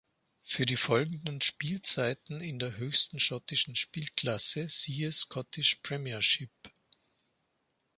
Für die folgenden Spielzeiten in der höchsten Schottischen Spielklasse siehe Scottish Premiership.